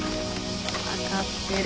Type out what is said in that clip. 分かってる。